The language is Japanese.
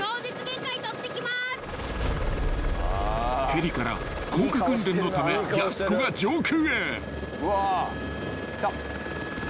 ［ヘリから降下訓練のためやす子が上空へ］